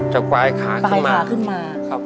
จัดกวายขาขึ้นมา